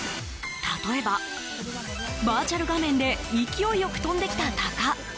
例えば、バーチャル画面で勢いよく飛んできたタカ。